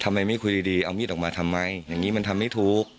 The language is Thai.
ไม่คุยดีเอามีดออกมาทำไมอย่างนี้มันทำไม่ถูก